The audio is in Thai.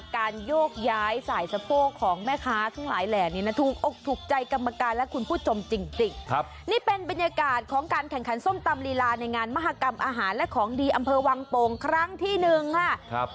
ครับนี่เป็นบรรยากาศของการแข่งขันส้มตำลีลาในงานมหากรรมอาหารและของดีอำเภอวังโป่งครั้งที่หนึ่งครับ